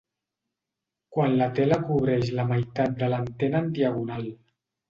Quan la tela cobreix la meitat de l’antena en diagonal.